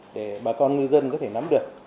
để bà con ngư dân có thể nắm được